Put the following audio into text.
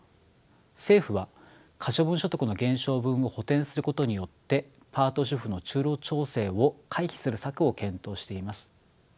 政府は可処分所得の減少分を補填することによってパート主婦の就労調整を回避する策を検討しています。